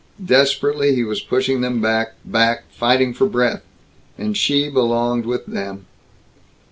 Desperately he was pushing them back back fighting for breath. And she belonged with them.